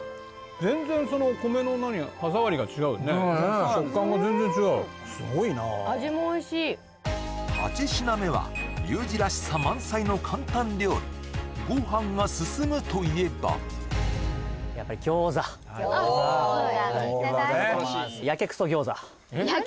全然米の歯触りが違うね食感が全然違うすごいな味もおいしい８品目はリュウジらしさ満載の簡単料理ご飯が進むといえばやっぱり餃子みんな大好きやけくそ餃子？